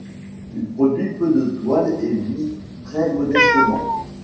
Il produit peu de toiles et vit très modestement.